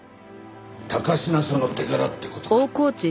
高階署の手柄って事か。